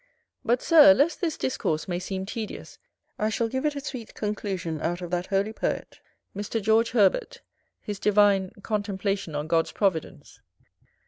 But, Sir, lest this discourse may seem tedious, I shall give it a sweet conclusion out of that holy poet, Mr. George Herbert his divine "Contemplation on God's Providence".